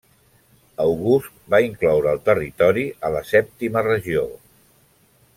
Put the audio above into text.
August va incloure el territori a la sèptima regió.